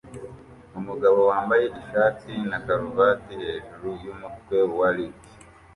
Umugabo wambaye ishati na karuvati hejuru yumutwe wa lift